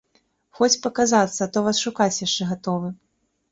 Хоць паказацца, а то вас шукаць яшчэ гатовы.